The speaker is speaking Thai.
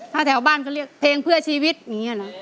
ถ้าแถวบ้านเขาเรียกเพลงเพื่อชีวิตอย่างนี้นะ